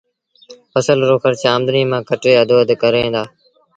ڦسل رو کرچ آمدنيٚ مآݩ ڪٽي اڌو اڌ ڪريݩ دآ